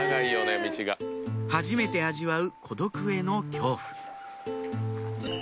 はじめて味わう孤独への恐怖